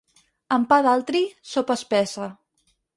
Amb pa d'altri, sopa espessa.